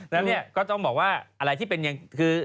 แล้วเนี่ยก็ต้องบอกว่าอะไรที่เป็นอย่างคือ